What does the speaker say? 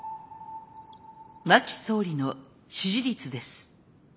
真木総理の支持率です。